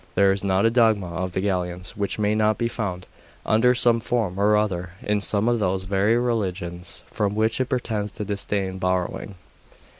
There is not a dogma of the Galileans which may not be found, under some form or other, in some of those very religions from which it pretends to disdain borrowing.